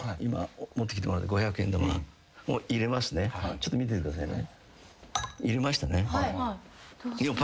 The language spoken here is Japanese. ちょっと見ててくださいね。